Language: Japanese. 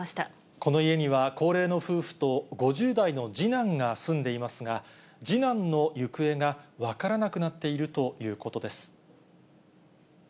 この家には、高齢の夫婦と５０代の次男が住んでいますが、次男の行方が分からなくなっているということです。